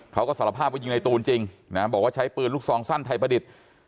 เขาก็สารภาพว่ายิงในตูนจริงนะบอกว่าใช้ปืนลูกซองสั้นไทยประดิษฐ์